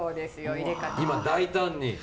今大胆に。